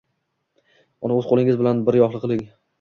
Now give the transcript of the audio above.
Uni o‘z qo‘lingiz bilan biryoqli qiling